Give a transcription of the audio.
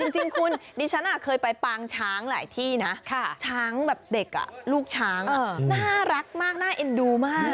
จริงคุณดิฉันเคยไปปางช้างหลายที่นะช้างแบบเด็กลูกช้างน่ารักมากน่าเอ็นดูมาก